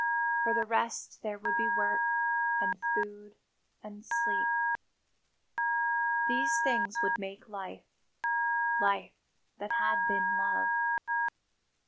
For the rest there would be work, and food, and sleep. These things would make life life that had been love.